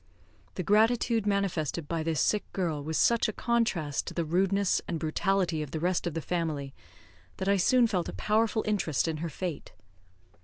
The gratitude manifested by this sick girl was such a contrast to the rudeness and brutality of the rest of the family, that I soon felt a powerful interest in her fate.